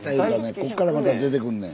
こっからまた出てくんねん。